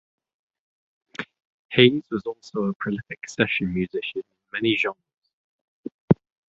Hayes was also a prolific session musician in many genres.